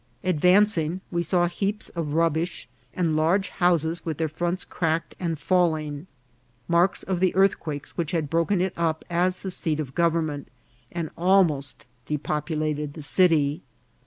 Advancing, we saw heaps of rubbish, and large houses with their fronts cracked SAN SALVADOR. and falling, marks of the earthquakes which had broken it up as the seat of government, and almost depopula ted the city.